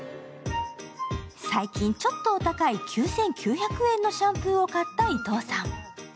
最近、ちょっとお高い９９００円のシャンプーを買った伊藤さん。